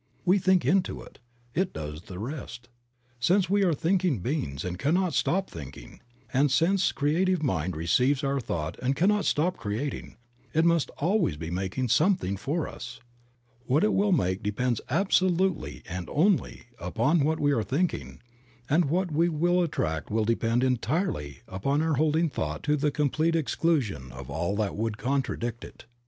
We think into it; it does the rest. Since we are thinking beings and cannot stop thinking, and since Creative Mind receives our thought and cannot stop creating, it must always be making something for us. What it will make depends absolutely and only upon what we are thinking, and what we will attract will depend entirely upon our holding thought to the complete exclusion of all that would contradict it.